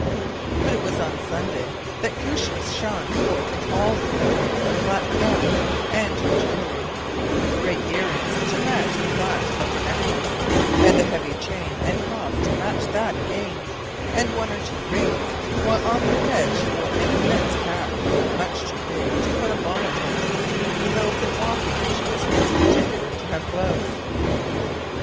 But it was on Sunday that Koosje shone forth in all the glory of a black gown and her jewellery with great ear rings to match the clasp of her necklace, and a heavy chain and cross to match that again, and one or two rings; while on her head she wore an immense cap, much too big to put a bonnet over, though for walking she was most particular to have gloves.